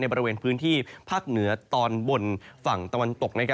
บริเวณพื้นที่ภาคเหนือตอนบนฝั่งตะวันตก